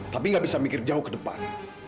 tapi gak bisa mikir jauh ke depan